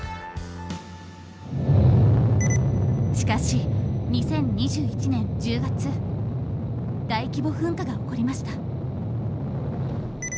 しかし２０２１年１０月大規模噴火が起こりました。